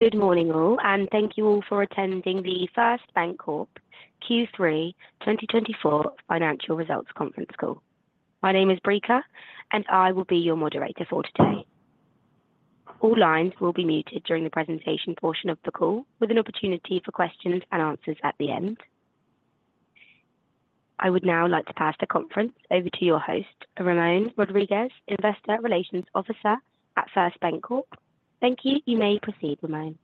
Good morning, all, and thank you all for attending the First BanCorp Q3 2024 financial results conference call. My name is Brica, and I will be your moderator for today. All lines will be muted during the presentation portion of the call, with an opportunity for questions and answers at the end. I would now like to pass the conference over to your host, Ramón Rodríguez, Investor Relations Officer at First BanCorp. Thank you. You may proceed, Ramón.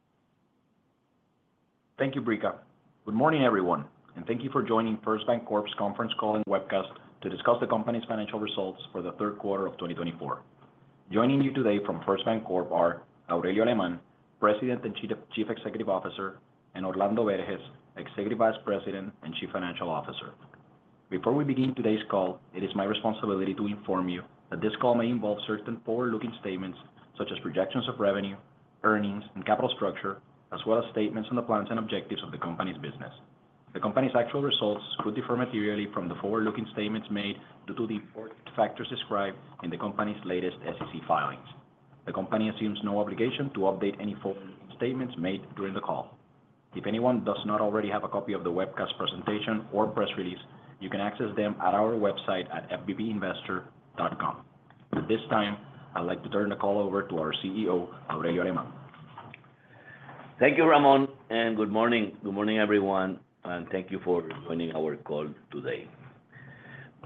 Thank you, Brica. Good morning, everyone, and thank you for joining First BanCorp's conference call and webcast to discuss the company's financial results for the third quarter of 2024. Joining you today from First BanCorp are Aurelio Alemán, President and Chief Executive Officer, and Orlando Berges, Executive Vice President and Chief Financial Officer. Before we begin today's call, it is my responsibility to inform you that this call may involve certain forward-looking statements such as projections of revenue, earnings, and capital structure, as well as statements on the plans and objectives of the company's business. The company's actual results could differ materially from the forward-looking statements made due to the important factors described in the company's latest SEC filings. The company assumes no obligation to update any forward statements made during the call. If anyone does not already have a copy of the webcast presentation or press release, you can access them at our website at fbbinvestor.com. At this time, I'd like to turn the call over to our CEO, Aurelio Alemán. Thank you, Ramón, and good morning. Good morning, everyone, and thank you for joining our call today.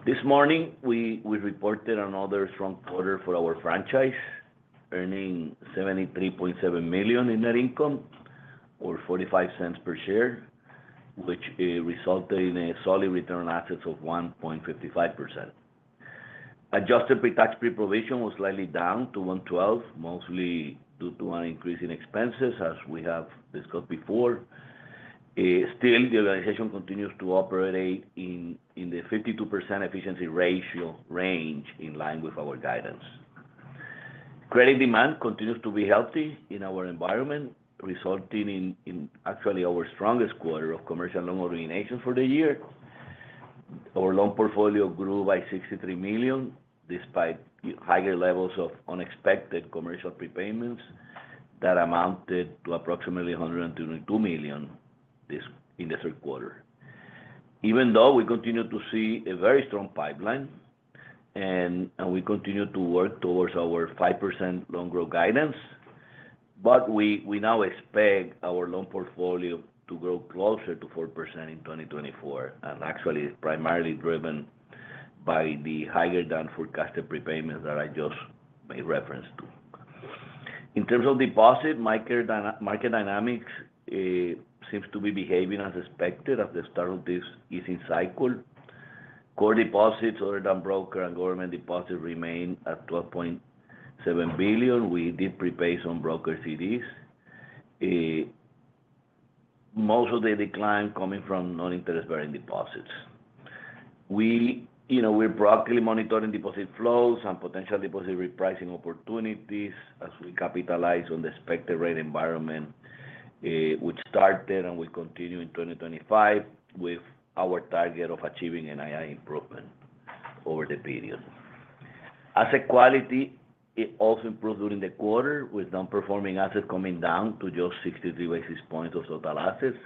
This morning, we reported another strong quarter for our franchise, earning $73.7 million in net income, or $0.45 per share, which resulted in a solid return on assets of 1.55%. Adjusted pre-tax pre-provision was slightly down to $1.12, mostly due to an increase in expenses, as we have discussed before. Still, the organization continues to operate in the 52% efficiency ratio range, in line with our guidance. Credit demand continues to be healthy in our environment, resulting in actually our strongest quarter of commercial loan origination for the year. Our loan portfolio grew by $63 million, despite higher levels of unexpected commercial prepayments that amounted to approximately $102 million in the third quarter. Even though we continue to see a very strong pipeline, and we continue to work towards our 5% loan growth guidance, but we now expect our loan portfolio to grow closer to 4% in 2024, and actually it's primarily driven by the higher-than-forecasted prepayments that I just made reference to. In terms of deposit market dynamics, it seems to be behaving as expected at the start of this easing cycle. Core deposits other than broker and government deposits remain at $12.7 billion. We did prepay some broker CDs. Most of the decline coming from non-interest-bearing deposits. We, you know, we're broadly monitoring deposit flows and potential deposit repricing opportunities as we capitalize on the expected rate environment, which started and will continue in 2025 with our target of achieving NII improvement over the period. Asset quality also improved during the quarter, with non-performing assets coming down to just 63 basis points of total assets.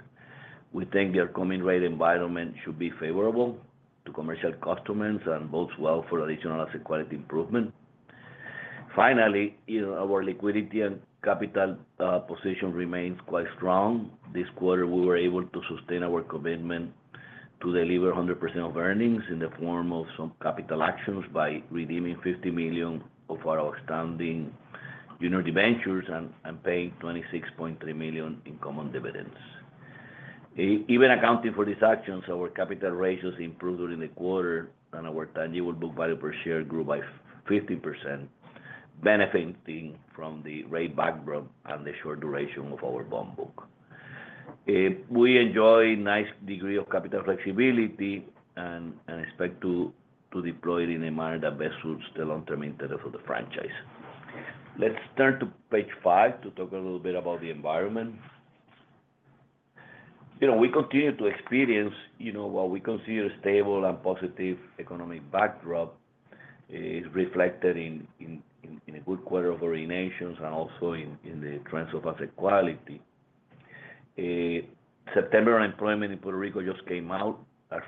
We think the upcoming rate environment should be favorable to commercial customers and bodes well for additional asset quality improvement. Finally, you know, our liquidity and capital position remains quite strong. This quarter, we were able to sustain our commitment to deliver 100% of earnings in the form of some capital actions by redeeming $50 million of our outstanding junior subordinated debentures and paying $26.3 million in common dividends. Even accounting for these actions, our capital ratios improved during the quarter, and our tangible book value per share grew by 50%, benefiting from the rate backdrop and the short duration of our bond book. We enjoy a nice degree of capital flexibility and expect to deploy it in a manner that best suits the long-term interest of the franchise. Let's turn to page five to talk a little bit about the environment. You know, we continue to experience, you know, what we consider a stable and positive economic backdrop, is reflected in a good quarter of originations and also in the trends of asset quality. September unemployment in Puerto Rico just came out at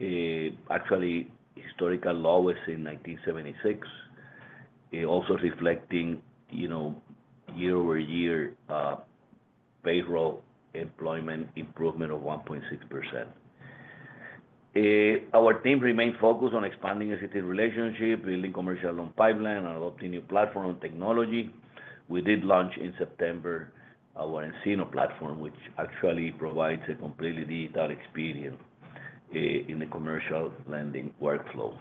5.5%. Actually, historical lowest in 1976. It also reflecting, you know, year-over-year, uh, payroll employment improvement of 1.6%. Our team remains focused on expanding existing relationships, building commercial loan pipeline, and adopting new platform technology. We did launch in September our nCino platform, which actually provides a completely digital experience in the commercial lending workflows.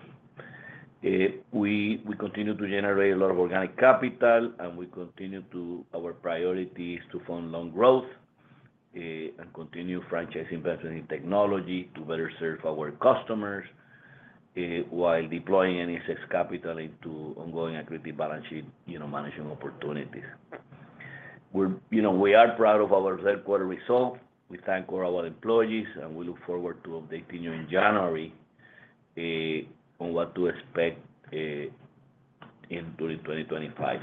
We continue to generate a lot of organic capital. Our priority is to fund loan growth, and continue franchising investment in technology to better serve our customers, while deploying any excess capital into ongoing equity balance sheet, you know, management opportunities. We are proud of our third quarter results. We thank all our employees, and we look forward to updating you in January on what to expect during 2025.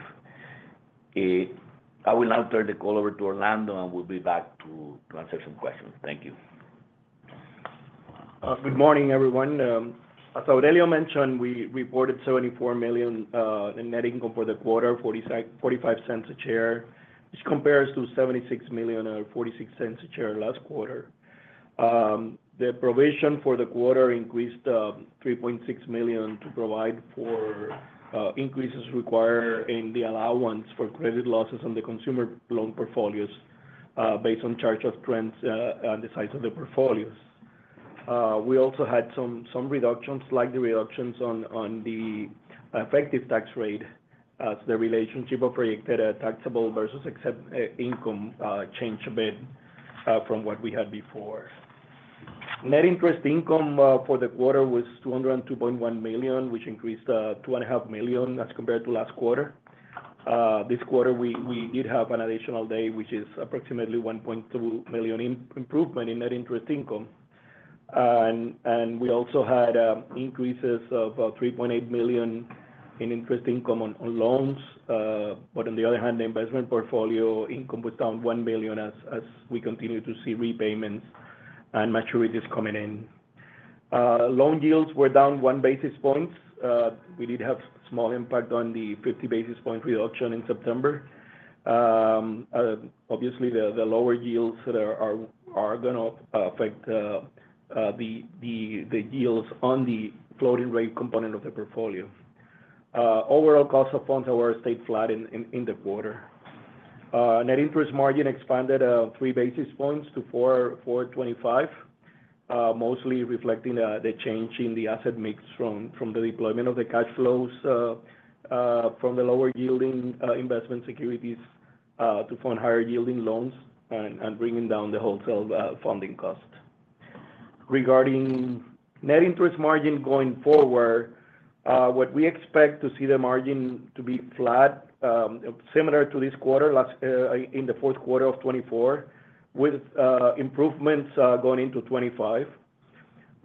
I will now turn the call over to Orlando, and we'll be back to answer some questions. Thank you. Good morning, everyone. As Aurelio mentioned, we reported $74 million in net income for the quarter, $0.45 a share, which compares to $76 million, or $0.46 a share last quarter. The provision for the quarter increased $3.6 million to provide for increases required in the allowance for credit losses on the consumer loan portfolios, based on charge-off trends and the size of the portfolios. We also had some slight reductions on the effective tax rate, as the relationship of projected taxable versus exempt income changed a bit from what we had before. Net interest income for the quarter was $202.1 million, which increased $2.5 million as compared to last quarter. This quarter, we did have an additional day, which is approximately $1.2 million in improvement in net interest income. And we also had increases of $3.8 million in interest income on loans. But on the other hand, the investment portfolio income was down $1 million as we continue to see repayments and maturities coming in. Loan yields were down one basis point. We did have small impact on the 50 basis points reduction in September. Obviously, the lower yields there are gonna affect the yields on the floating rate component of the portfolio. Overall cost of funds however stayed flat in the quarter. Net interest margin expanded three basis points to 4.425, mostly reflecting the change in the asset mix from the deployment of the cash flows from the lower yielding investment securities to fund higher yielding loans and bringing down the wholesale funding cost. Regarding net interest margin going forward, what we expect to see the margin to be flat, similar to this quarter last in the fourth quarter of 2024, with improvements going into 2025.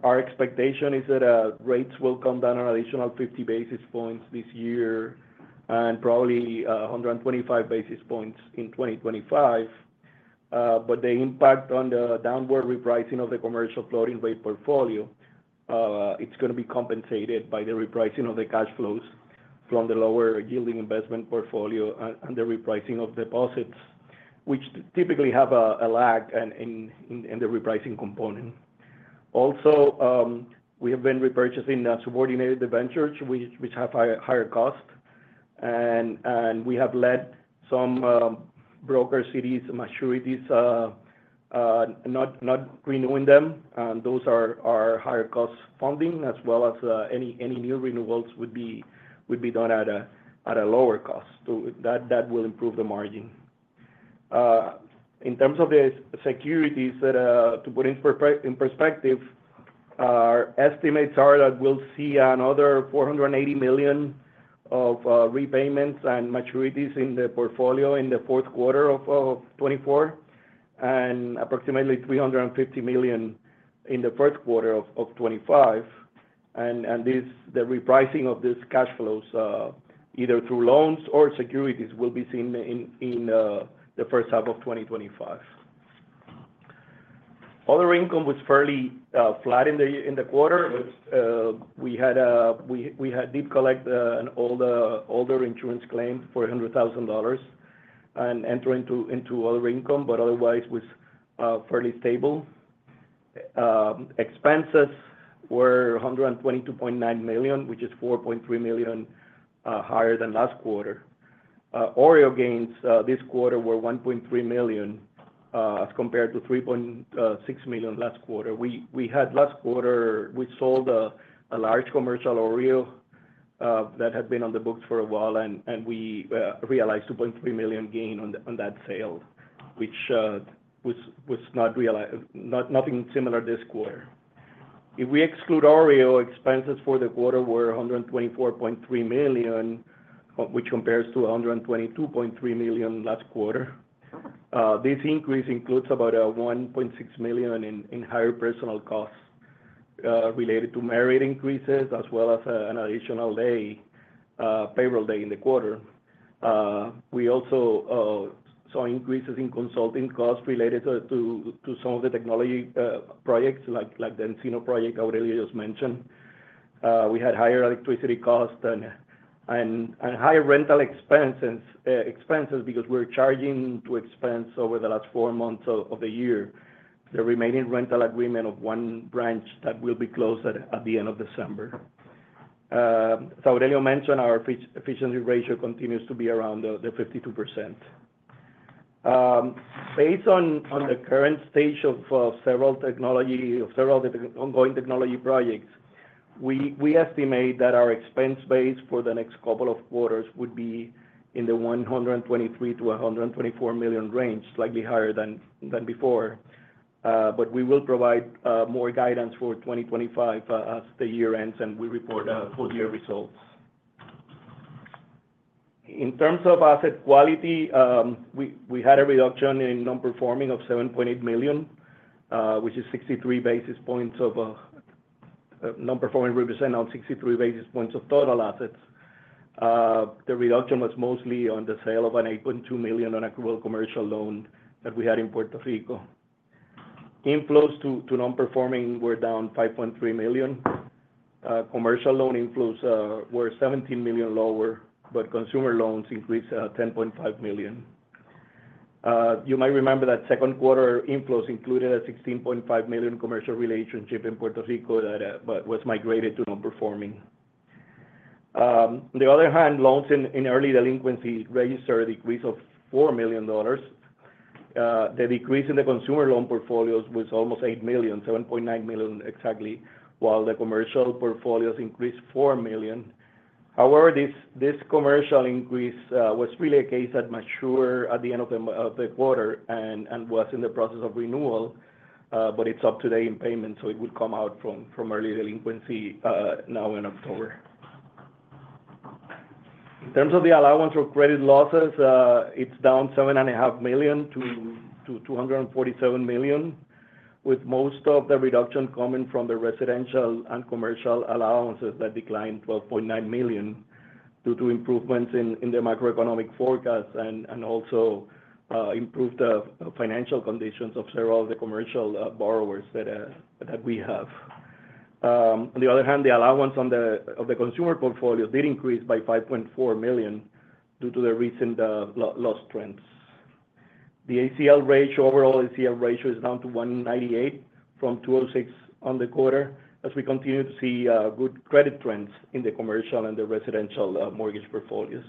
Our expectation is that rates will come down an additional 50 basis points this year, and probably 125 basis points in 2025. But the impact on the downward repricing of the commercial floating rate portfolio, it's gonna be compensated by the repricing of the cash flows from the lower yielding investment portfolio and the repricing of deposits, which typically have a lag in the repricing component. Also, we have been repurchasing the subordinated debentures, which have higher cost. And we have let some brokered CDs maturities not renewing them. And those are higher cost funding, as well as any new renewals would be done at a lower cost. So that will improve the margin. In terms of the securities that to put in perspective, our estimates are that we'll see another $480 million of repayments and maturities in the portfolio in the fourth quarter of 2024, and approximately $350 million in the first quarter of 2025. This, the repricing of these cash flows either through loans or securities, will be seen in the first half of 2025. Other income was fairly flat in the quarter. We did collect an older insurance claim for $100,000 and enter into other income, but otherwise was fairly stable. Expenses were $122.9 million, which is $4.3 million higher than last quarter. OREO gains this quarter were $1.3 million as compared to $3.6 million last quarter. We had last quarter we sold a large commercial OREO that had been on the books for a while, and we realized $2.3 million gain on that sale, which was not realized, nothing similar this quarter. If we exclude OREO, expenses for the quarter were $124.3 million, which compares to $122.3 million last quarter. This increase includes about $1.6 million in higher personnel costs related to merit increases, as well as an additional day, payroll day in the quarter. We also saw increases in consulting costs related to some of the technology projects, like the nCino project Aurelio just mentioned. We had higher electricity costs and higher rental expenses because we're charging to expense over the last four months of the year the remaining rental agreement of one branch that will be closed at the end of December. As Aurelio mentioned, our efficiency ratio continues to be around the 52%. Based on the current stage of several ongoing technology projects, we estimate that our expense base for the next couple of quarters would be in the $123-$124 million range, slightly higher than before. We will provide more guidance for 2025 as the year ends, and we report full year results. In terms of asset quality, we had a reduction in non-performing of $7.8 million, which represents 63 basis points of total assets. The reduction was mostly on the sale of an $8.2 million nonaccrual commercial loan that we had in Puerto Rico. Inflows to non-performing were down $5.3 million. Commercial loan inflows were $17 million lower, but consumer loans increased $10.5 million. You might remember that second quarter inflows included a $16.5 million commercial relationship in Puerto Rico that was migrated to non-performing. On the other hand, loans in early delinquency registered a decrease of $4 million. The decrease in the consumer loan portfolios was almost $8 million, $7.9 million exactly, while the commercial portfolios increased $4 million. However, this commercial increase was really a case that matured at the end of the quarter and was in the process of renewal, but it's up today in payment, so it would come out from early delinquency now in October. In terms of the allowance for credit losses, it's down $7.5 million to $247 million, with most of the reduction coming from the residential and commercial allowances that declined $12.9 million due to improvements in the macroeconomic forecast and also improved financial conditions of several of the commercial borrowers that we have. On the other hand, the allowance for the consumer portfolio did increase by $5.4 million due to the recent loss trends. The ACL ratio, overall ACL ratio is down to 1.98% from 2.06% on the quarter, as we continue to see good credit trends in the commercial and the residential mortgage portfolios.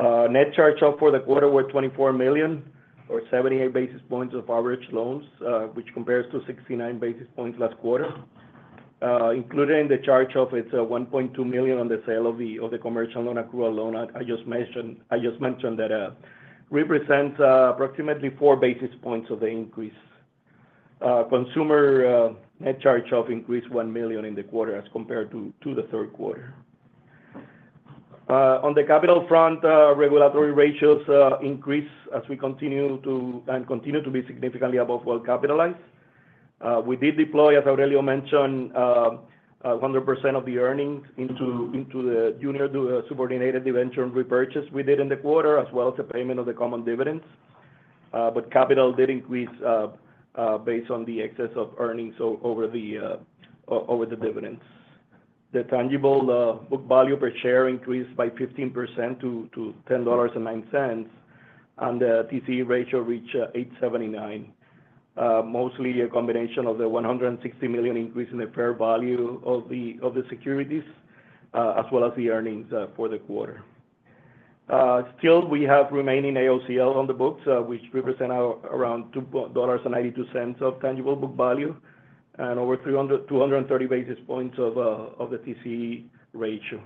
Net charge-offs for the quarter were $24 million or 78 basis points of average loans, which compares to 69 basis points last quarter. Including the charge-off, it's $1.2 million on the sale of the commercial loan, nonaccrual loan I just mentioned that represents approximately four basis points of the increase. Consumer net charge-off increased $1 million in the quarter as compared to the third quarter. On the capital front, regulatory ratios increase as we continue to be significantly above well-capitalized. We did deploy, as Aurelio mentioned, 100% of the earnings into the junior subordinated debenture repurchase we did in the quarter, as well as the payment of the common dividends. But capital did increase based on the excess of earnings over the dividends. The tangible book value per share increased by 15% to $10.09, and the TCE ratio reached 8.79%. Mostly a combination of the $160 million increase in the fair value of the securities as well as the earnings for the quarter. Still, we have remaining AOCL on the books, which represent around $2.92 of tangible book value and over 230 basis points of the TCE ratio.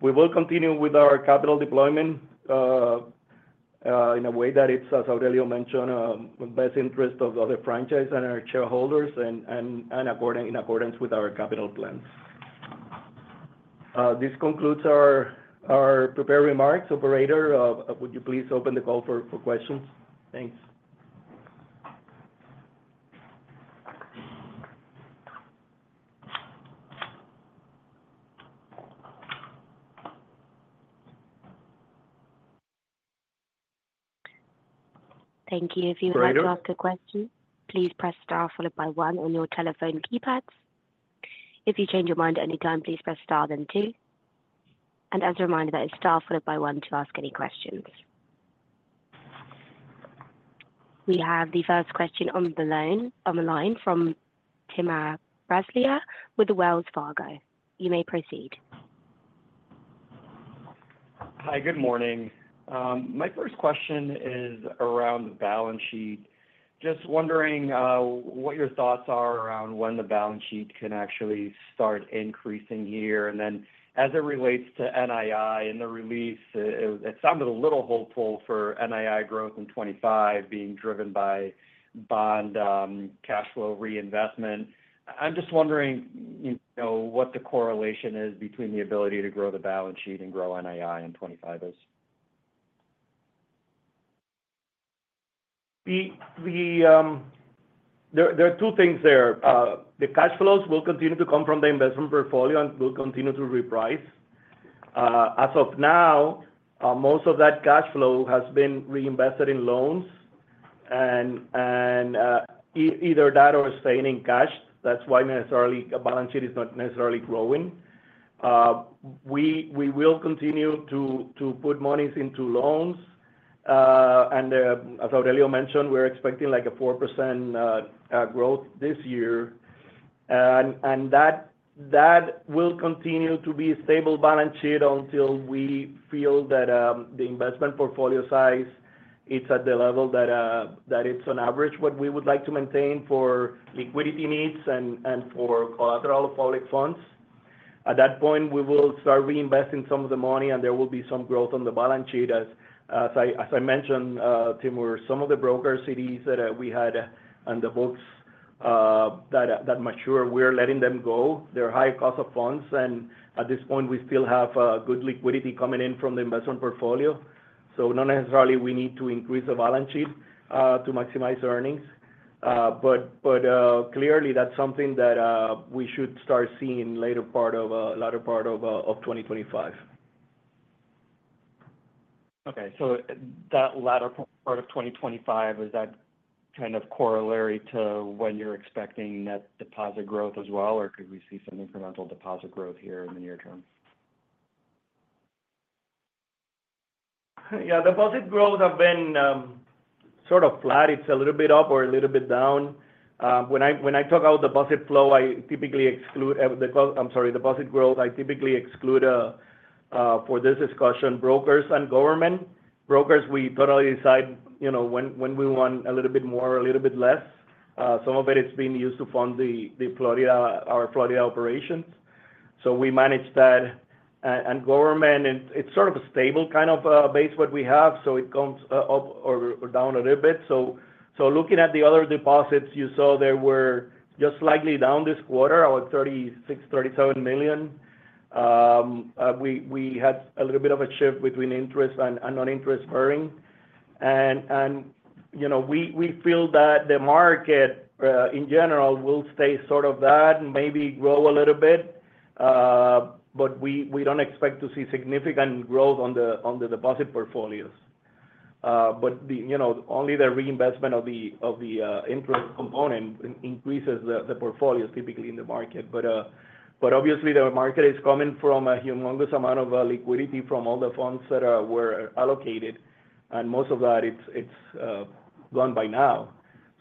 We will continue with our capital deployment in a way that it's, as Aurelio mentioned, best interest of the franchise and our shareholders and in accordance with our capital plans. This concludes our prepared remarks. Operator, would you please open the call for questions? Thanks. Thank you. Aurelio? If you would like to ask a question, please press star followed by one on your telephone keypads. If you change your mind at any time, please press star, then two. And as a reminder, that is star followed by one to ask any questions. We have the first question on the line from Timur Braziler with Wells Fargo. You may proceed. Hi, good morning. My first question is around the balance sheet. Just wondering, what your thoughts are around when the balance sheet can actually start increasing year? And then as it relates to NII and the release, it sounded a little hopeful for NII growth in 2025 being driven by bond cash flow reinvestment. I'm just wondering, you know, what the correlation is between the ability to grow the balance sheet and grow NII in twenty-five is? There are two things there. The cash flows will continue to come from the investment portfolio and will continue to reprice. As of now, most of that cash flow has been reinvested in loans and either that or staying in cash. That's why necessarily a balance sheet is not necessarily growing. We will continue to put monies into loans. And as Aurelio mentioned, we're expecting like a 4% growth this year. And that will continue to be a stable balance sheet until we feel that the investment portfolio size is at the level that it's on average what we would like to maintain for liquidity needs and for collateral public funds. At that point, we will start reinvesting some of the money, and there will be some growth on the balance sheet. As I mentioned, Timur, some of the brokered CDs that we had on the books that mature, we're letting them go. They're high cost of funds, and at this point, we still have good liquidity coming in from the investment portfolio. So not necessarily we need to increase the balance sheet to maximize earnings. But clearly, that's something that we should start seeing in the latter part of 2025. Okay. So that latter part of 2025, is that kind of corollary to when you're expecting net deposit growth as well, or could we see some incremental deposit growth here in the near term? Yeah, deposit growth have been sort of flat. It's a little bit up or a little bit down. When I talk about deposit flow, I typically exclude, for this discussion, brokers and government. Brokers, we totally decide, you know, when we want a little bit more or a little bit less. Some of it is being used to fund the Florida, our Florida operations, so we manage that. And government, it's sort of a stable kind of base what we have, so it comes up or down a little bit. Looking at the other deposits, you saw they were just slightly down this quarter, about $36-$37 million. We had a little bit of a shift between interest and non-interest earning. You know, we feel that the market in general will stay sort of that and maybe grow a little bit, but we don't expect to see significant growth on the deposit portfolios. You know, only the reinvestment of the interest component increases the portfolios typically in the market, but obviously the market is coming from a humongous amount of liquidity from all the funds that were allocated, and most of that it's gone by now.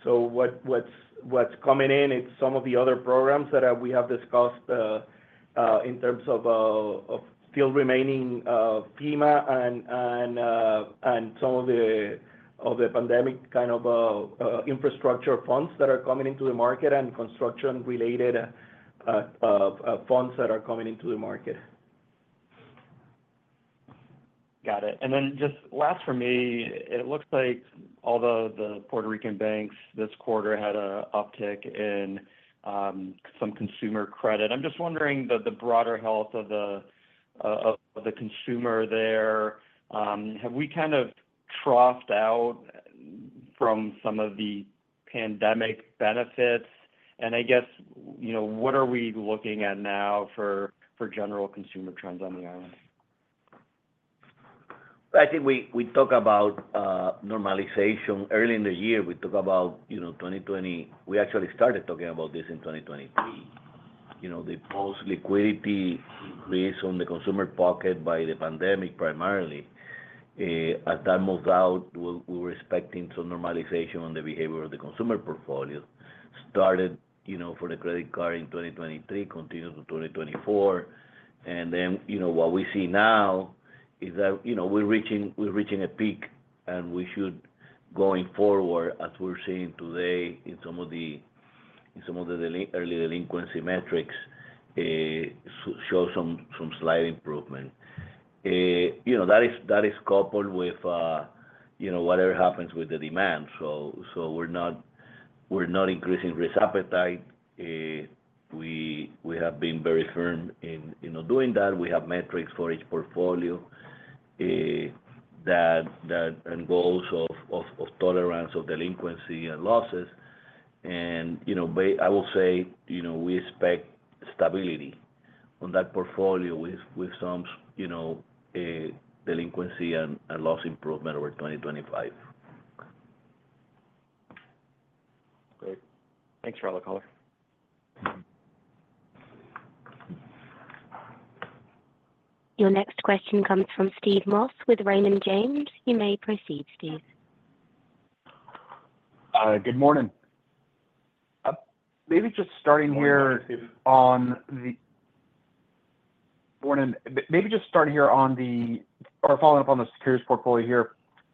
So what's coming in? It's some of the other programs that we have discussed in terms of still remaining FEMA and some of the pandemic kind of infrastructure funds that are coming into the market and construction-related funds that are coming into the market. Got it. And then just last for me, it looks like although the Puerto Rican banks this quarter had an uptick in some consumer credit. I'm just wondering the broader health of the consumer there. Have we kind of troughed out from some of the pandemic benefits? And I guess, you know, what are we looking at now for general consumer trends on the island? I think we talk about normalization. Early in the year, we talk about, you know, we actually started talking about this in 2023. You know, the post liquidity increase on the consumer pocket by the pandemic, primarily, as that moves out, we're expecting some normalization on the behavior of the consumer portfolio. Started, you know, for the credit card in 2023, continued to 2024. And then, you know, what we see now is that, you know, we're reaching a peak, and we should, going forward, as we're seeing today in some of the early delinquency metrics, show some slight improvement. You know, that is coupled with, you know, whatever happens with the demand. So we're not increasing risk appetite. We have been very firm in, you know, doing that. We have metrics for each portfolio that and goals of tolerance of delinquency and losses. I will say, you know, we expect stability on that portfolio with some, you know, delinquency and loss improvement over 2025. Great. Thanks for all the color. Your next question comes from Steve Moss with Raymond James. You may proceed, Steve. Good morning. Maybe just starting here- Good morning, Steve.... Morning. Maybe just starting here, or following up on the securities portfolio here.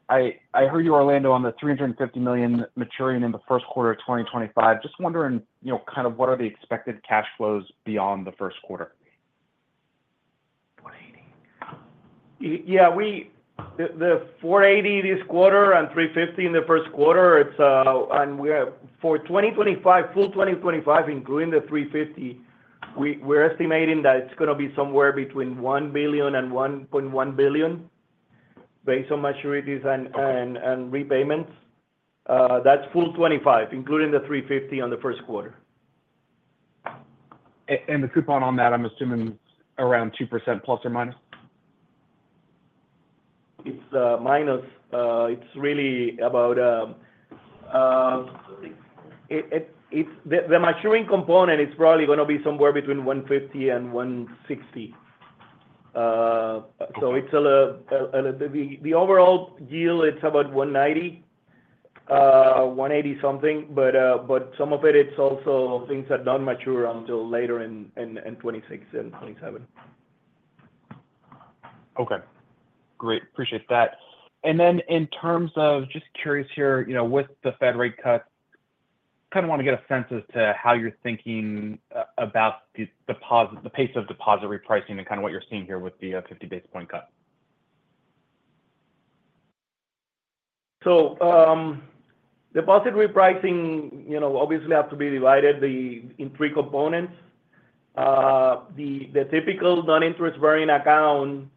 I heard you, Orlando, on the $350 million maturing in the first quarter of 2025. Just wondering, you know, kind of what are the expected cash flows beyond the first quarter? 480 Yeah, the 480 this quarter and 350 in the first quarter, it's. We have for 2025, full 2025, including the $350, we're estimating that it's gonna be somewhere between $1 billion and $1.1 billion, based on maturities and- Okay... and repayments. That's full 2025, including the $350 on the first quarter. And the coupon on that, I'm assuming, is around 2%±? It's minus. It's really about the maturing component is probably gonna be somewhere between 150 and 160. Okay... so it's the overall yield, it's about one ninety, one eighty something. But some of it, it's also things that don't mature until later in 2026 and 2027. Okay. Great. Appreciate that. And then in terms of... Just curious here, you know, with the Fed rate cuts, kind of want to get a sense as to how you're thinking about the deposit, the pace of deposit repricing and kind of what you're seeing here with the 50 basis points cut?... Deposit repricing, you know, obviously have to be divided into three components. The typical non-interest-bearing account,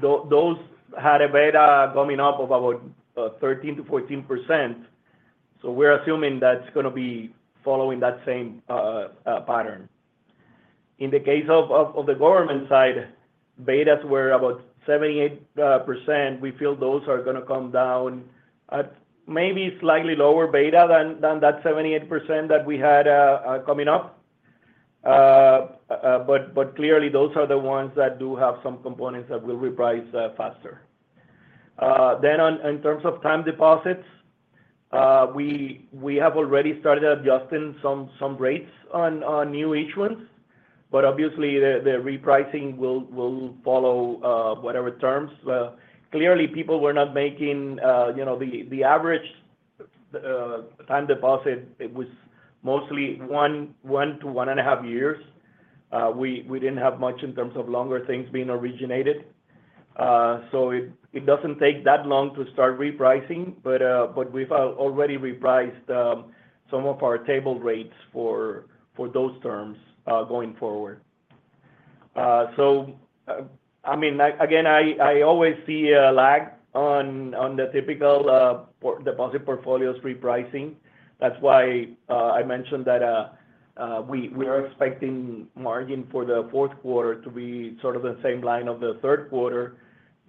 those had a beta coming up of about 13%-14%, so we're assuming that's gonna be following that same pattern. In the case of the government side, betas were about 78%. We feel those are gonna come down at maybe slightly lower beta than that 78% that we had coming up. But clearly, those are the ones that do have some components that will reprice faster. Then, in terms of time deposits, we have already started adjusting some rates on new issuance, but obviously, the repricing will follow whatever terms. Clearly, people were not making, you know, the average time deposit. It was mostly one to one and a half years. We didn't have much in terms of longer things being originated. So it doesn't take that long to start repricing, but we've already repriced some of our table rates for those terms going forward. So, I mean, again, I always see a lag on the typical deposit portfolios repricing. That's why I mentioned that we are expecting margin for the fourth quarter to be sort of the same line of the third quarter,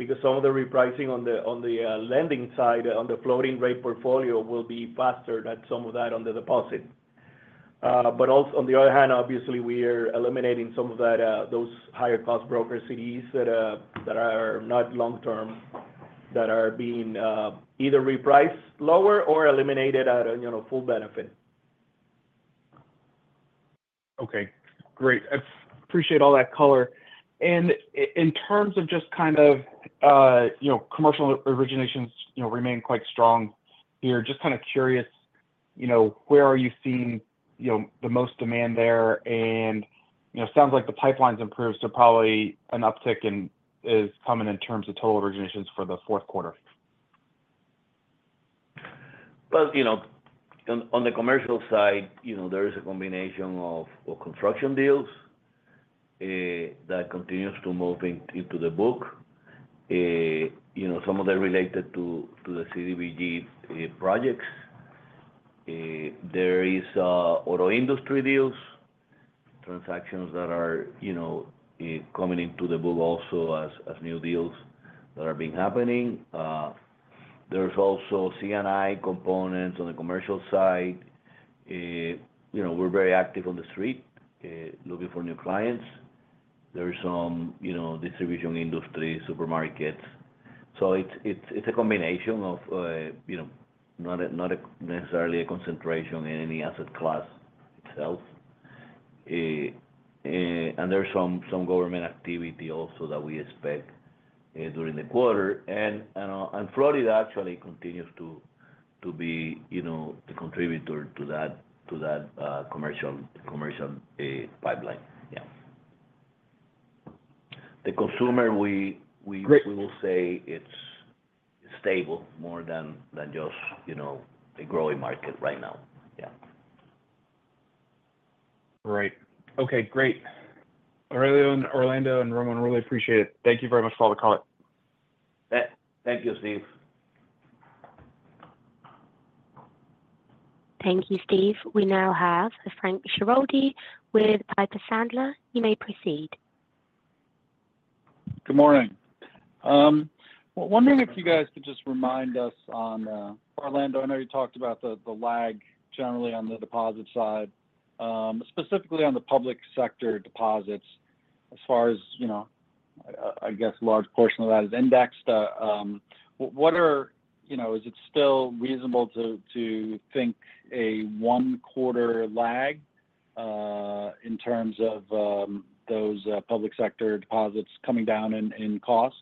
because some of the repricing on the lending side, on the floating rate portfolio, will be faster than some of that on the deposit. But also on the other hand, obviously, we are eliminating some of that, those higher cost broker CDs that are not long term, that are being either repriced lower or eliminated at a, you know, full benefit. Okay, great. I appreciate all that color. And in terms of just kind of, you know, commercial originations, you know, remain quite strong here, just kind of curious, you know, where are you seeing, you know, the most demand there? And, you know, sounds like the pipeline's improved, so probably an uptick in is coming in terms of total originations for the fourth quarter. Well, you know, on the commercial side, you know, there is a combination of, well, construction deals that continues to move into the book. You know, some of them related to the CDBG projects. There is auto industry deals, transactions that are, you know, coming into the book also as new deals that are being happening. There's also C&I components on the commercial side. You know, we're very active on the street looking for new clients. There is some, you know, distribution industry, supermarkets. So it's a combination of, you know, not a, not necessarily a concentration in any asset class itself. And there's some government activity also that we expect during the quarter. Florida actually continues to be, you know, the contributor to that commercial pipeline. Yeah. The consumer, we- Great... we will say it's stable more than, than just, you know, a growing market right now. Yeah. Right. Okay, great. Aurelio, and Orlando, and Ramón, really appreciate it. Thank you very much for the call. Thank you, Steve. Thank you, Steve. We now have Frank Schiraldi with Piper Sandler. You may proceed. Good morning. Wondering if you guys could just remind us on, Orlando, I know you talked about the lag generally on the deposit side. Specifically on the public sector deposits, as far as, you know, I guess, a large portion of that is indexed. You know, is it still reasonable to think a one-quarter lag in terms of those public sector deposits coming down in cost?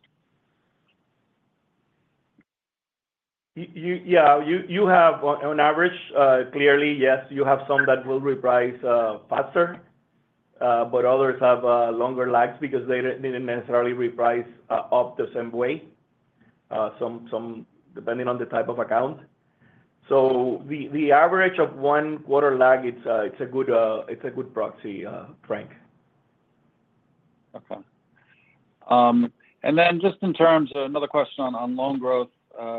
Yeah, you have on average, clearly, yes, you have some that will reprice faster, but others have longer lags because they didn't necessarily reprice up the same way. Some, depending on the type of account. So the average of one quarter lag, it's a good proxy, Frank. Okay. And then just in terms another question on loan growth.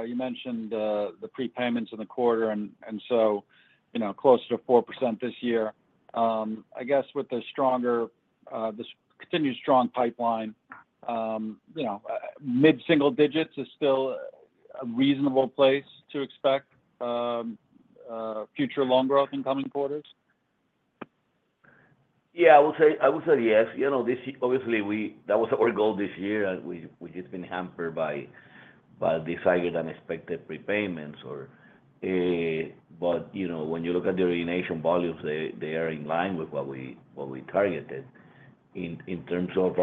You mentioned the prepayments in the quarter and so, you know, closer to 4% this year. I guess with the stronger this continued strong pipeline, you know, mid-single digits is still a reasonable place to expect future loan growth in coming quarters? Yeah, I would say, I would say yes. You know, this obviously, we, that was our goal this year, and we, we've just been hampered by decided unexpected prepayments or. But, you know, when you look at the origination volumes, they are in line with what we targeted. In terms of,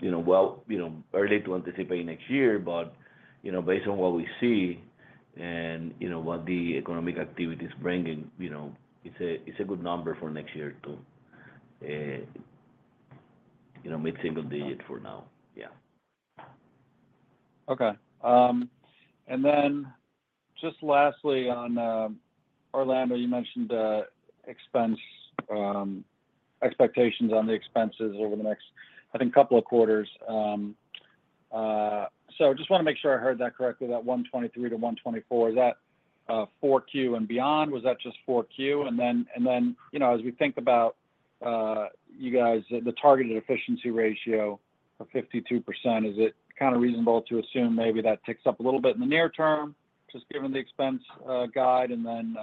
you know, well, you know, early to anticipate next year, but, you know, based on what we see and, you know, what the economic activity is bringing, you know, it's a good number for next year, too. ... you know, mid-single digit for now. Yeah. Okay. And then just lastly on Orlando, you mentioned expense expectations on the expenses over the next, I think, couple of quarters. So just want to make sure I heard that correctly, that 123 to 124, is that 4Q and beyond? Was that just 4Q? And then, you know, as we think about you guys, the targeted efficiency ratio of 52%, is it kind of reasonable to assume maybe that ticks up a little bit in the near term, just given the expense guide, and then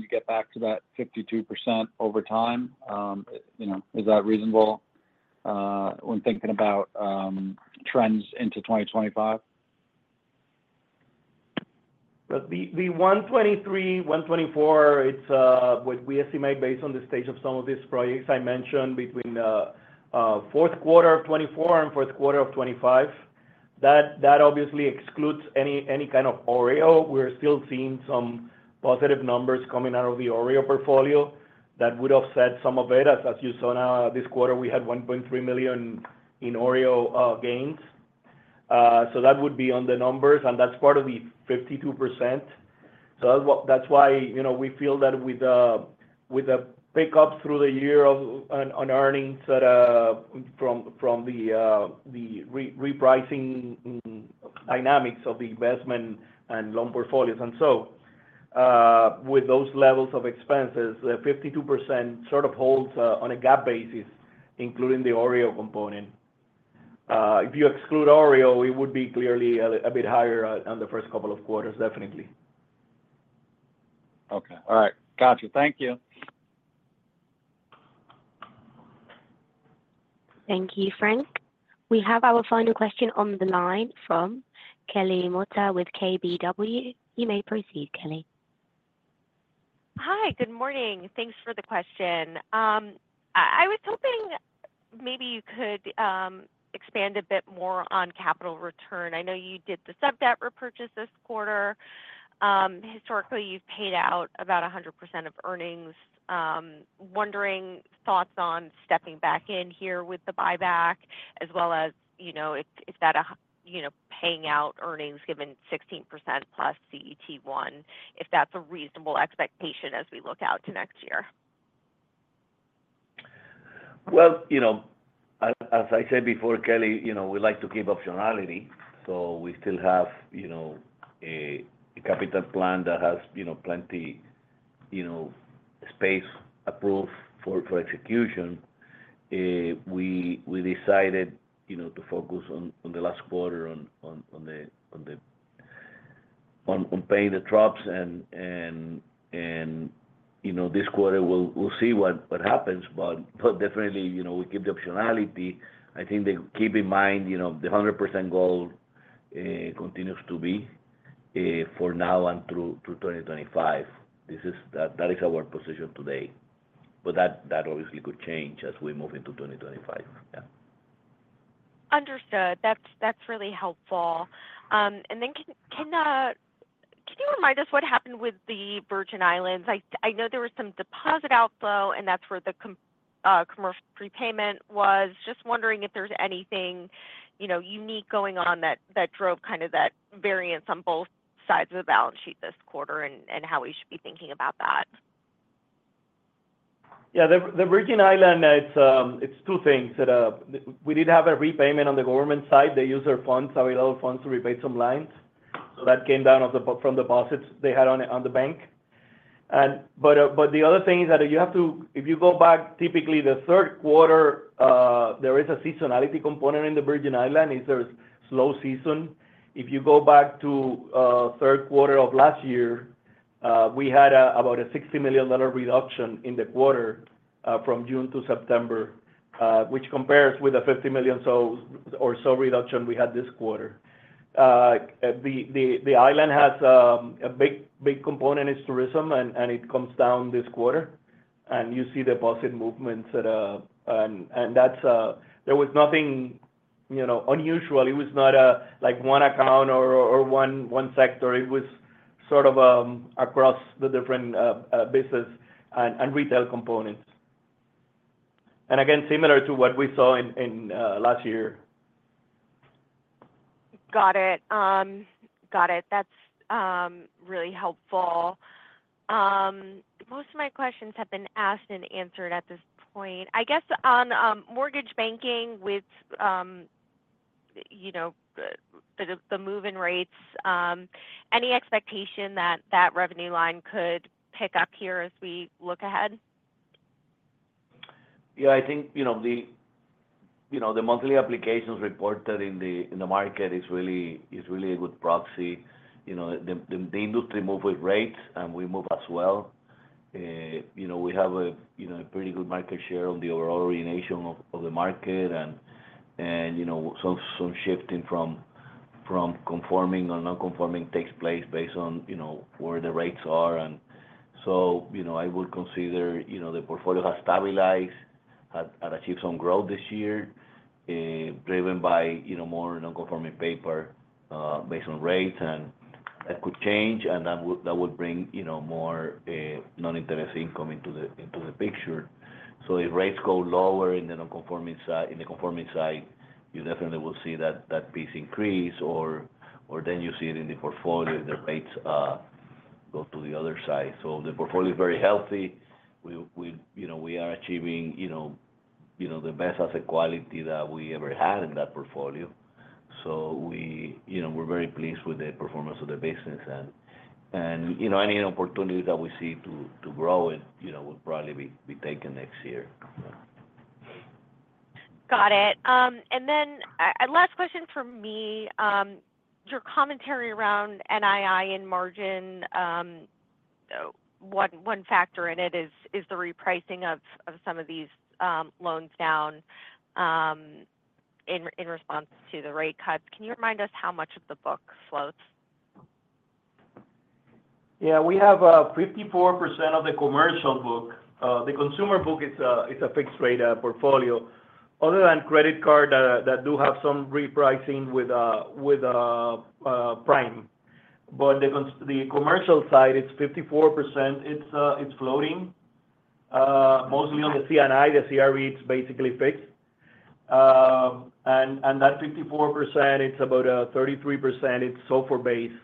you get back to that 52% over time? You know, is that reasonable when thinking about trends into 2025? The 123, 124, it's what we estimate based on the stage of some of these projects I mentioned between fourth quarter of 2024 and fourth quarter of 2025. That obviously excludes any kind of OREO. We're still seeing some positive numbers coming out of the OREO portfolio that would offset some of it. As you saw now, this quarter, we had $1.3 million in OREO gains. So that would be on the numbers, and that's part of the 52%. So that's what. That's why, you know, we feel that with the pick up through the year on earnings that from the repricing dynamics of the investment and loan portfolios. And so, with those levels of expenses, the 52% sort of holds on a GAAP basis, including the OREO component. If you exclude OREO, it would be clearly a bit higher on the first couple of quarters, definitely. Okay. All right. Got you. Thank you. Thank you, Frank. We have our final question on the line from Kelly Motta with KBW. You may proceed, Kelly. Hi, good morning. Thanks for the question. I was hoping maybe you could expand a bit more on capital return. I know you did the sub-debt repurchase this quarter. Historically, you've paid out about 100% of earnings. Wondering, thoughts on stepping back in here with the buyback, as well as, you know, paying out earnings given 16%+ CET1, if that's a reasonable expectation as we look out to next year? Well, you know, as I said before, Kelly, you know, we like to keep optionality, so we still have, you know, a capital plan that has, you know, plenty, you know, space approved for execution. We decided, you know, to focus on the last quarter on paying the TruPS. And, you know, this quarter, we'll see what happens. But definitely, you know, we keep the optionality. I think they keep in mind, you know, the 100% goal continues to be for now and through to 2025. That is our position today, but that obviously could change as we move into 2025. Yeah. Understood. That's really helpful, and then can you remind us what happened with the Virgin Islands? I know there was some deposit outflow, and that's where the commercial prepayment was. Just wondering if there's anything, you know, unique going on that drove kind of that variance on both sides of the balance sheet this quarter and how we should be thinking about that? Yeah, the Virgin Islands. It's two things that we did have a repayment on the government side. They used their funds, available funds, to repay some lines. So that came down on the deposits they had on the bank. But the other thing is that you have to, if you go back, typically the third quarter, there is a seasonality component in the Virgin Islands. There's slow season. If you go back to third quarter of last year, we had about a $60 million reduction in the quarter, from June to September, which compares with a $50 million or so reduction we had this quarter. The island has a big component is tourism, and it comes down this quarter, and you see deposit movements at a... And that's. There was nothing, you know, unusual. It was not like one account or one sector. It was sort of across the different business and retail components. And again, similar to what we saw in last year. Got it. Got it. That's really helpful. Most of my questions have been asked and answered at this point. I guess on mortgage banking with you know, the move in rates, any expectation that that revenue line could pick up here as we look ahead? Yeah, I think, you know, the monthly applications reported in the market is really a good proxy. You know, the industry move with rates, and we move as well. You know, we have a, you know, a pretty good market share on the overall origination of the market and, you know, some shifting from conforming to non-conforming takes place based on, you know, where the rates are. And so, you know, I would consider, you know, the portfolio has stabilized, has achieved some growth this year, driven by, you know, more non-conforming paper based on rates, and that could change, and that would bring, you know, more noninterest income into the picture. So if rates go lower in the non-conforming side, in the conforming side, you definitely will see that piece increase or then you see it in the portfolio, the rates go to the other side. So the portfolio is very healthy. We, you know, we are achieving, you know, the best asset quality that we ever had in that portfolio. So we, you know, we're very pleased with the performance of the business, and, you know, any opportunity that we see to grow it, you know, will probably be taken next year. Got it. And then, last question for me. Your commentary around NII and margin, one factor in it is the repricing of some of these loans down in response to the rate cuts. Can you remind us how much of the book floats? Yeah, we have 54% of the commercial book. The consumer book is a fixed-rate portfolio, other than credit card, that do have some repricing with prime. But the commercial side, it's 54%, it's floating, mostly on the C&I. The CRE is basically fixed. And that 54%, it's about 33%, it's SOFR-based.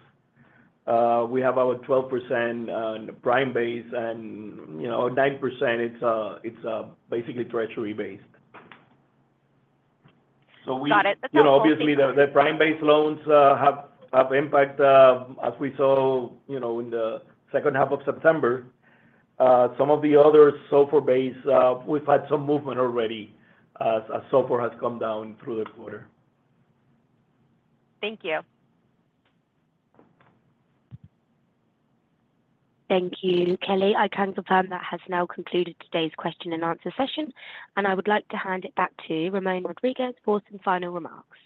We have about 12% prime-based, and, you know, 9%, it's basically treasury-based. So we- Got it. You know, obviously, the prime-based loans have impact as we saw, you know, in the second half of September. Some of the other SOFR-based, we've had some movement already, as SOFR has come down through the quarter. Thank you. Thank you, Kelly. I can confirm that has now concluded today's question and answer session, and I would like to hand it back to Ramón Rodríguez for some final remarks.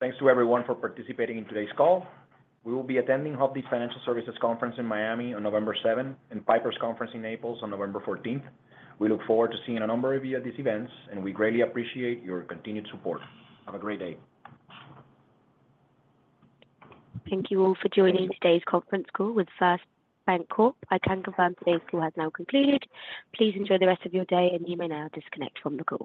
Thanks to everyone for participating in today's call. We will be attending Hovde Financial Services Conference in Miami on November 7th, and Piper Sandler's conference in Naples on November 14th. We look forward to seeing a number of you at these events, and we greatly appreciate your continued support. Have a great day. Thank you all for joining today's conference call with First BanCorp. I can confirm today's call has now concluded. Please enjoy the rest of your day, and you may now disconnect from the call.